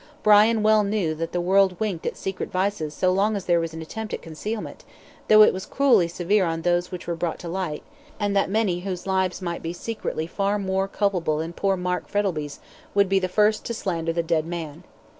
Brian well knew that the world winked at secret vices so long as there was an attempt at concealment, though it was cruelly severe on those which were brought to light, and that many whose lives might be secretly far more culpable than poor Mark Frettlby's, would be the first to slander the dead man.